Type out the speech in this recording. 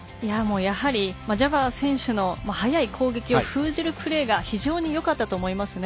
やはり、ジャバー選手の速い攻撃を封じるプレーが非常によかったと思いますね。